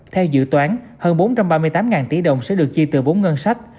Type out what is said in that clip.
theo dự toán hơn bốn trăm ba mươi tám tỷ đồng sẽ được chi từ bốn ngân sách